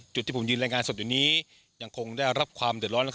จุดที่ผมยืนรายงานสดอยู่นี้ยังคงได้รับความเดือดร้อน